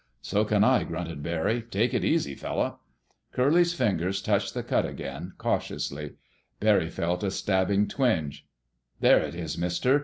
"So can I!" grunted Barry. "Take it easy, fella!" Curly's fingers touched the cut again, cautiously. Barry felt a stabbing twinge. "There it is, Mister!"